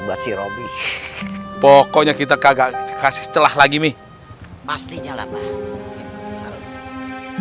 basi robby pokoknya kita kagak kasih telah lagi nih pastinya lah pak harus